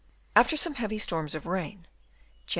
After some heavy storms of rain (Jan.